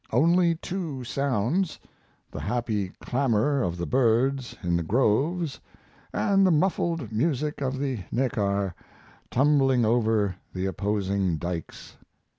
Only two sounds: the happy clamor of the birds in the groves and the muffled music of the Neckar tumbling over the opposing dikes.